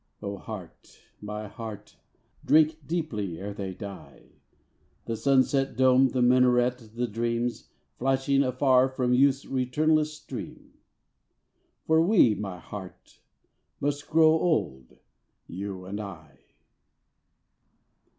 O heart, my heart, drink deeply ere they die, The sunset dome, the minaret, the dreams Flashing afar from youth's returnless streams: For we, my heart, must grow old, you and I!